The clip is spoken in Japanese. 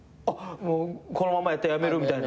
「このままやったら辞める」みたいな？